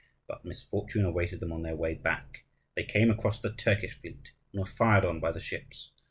But misfortune awaited them on their way back. They came across the Turkish fleet, and were fired on by the ships.